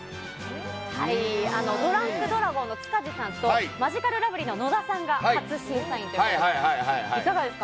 ドランクドラゴンの塚地さんとマヂカルラブリーの野田さんが初審査員ということで、いかがですか？